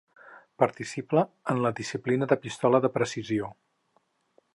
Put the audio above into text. Participa en la disciplina de pistola de precisió.